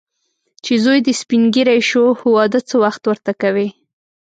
چې زوی دې سپین ږیری شو، واده څه وخت ورته کوې.